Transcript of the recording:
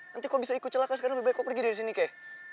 nanti kau bisa ikut celaka sekarang lebih baik kau pergi dari sini kek